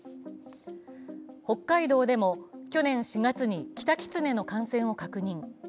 北海道でも去年４月にキタキツネの感染を確認。